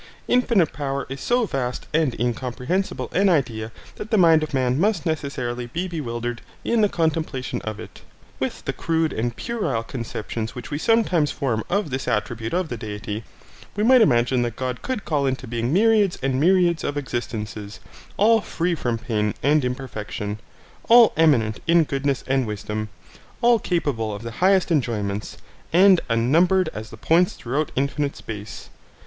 Infinite power is so vast and incomprehensible an idea that the mind of man must necessarily be bewildered in the contemplation of it. With the crude and puerile conceptions which we sometimes form of this attribute of the Deity, we might imagine that God could call into being myriads and myriads of existences, all free from pain and imperfection, all eminent in goodness and wisdom, all capable of the highest enjoyments, and unnumbered as the points throughout infinite space.